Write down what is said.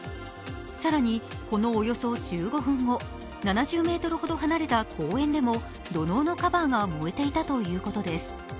更にこのおよそ１５分後、７０ｍほど離れた公園でも土のうのカバーが燃えていたということです。